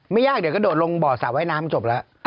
ไม่ยากเดี๋ยวกระโดดลงบ่อสระว่ายน้ำจบแล้ว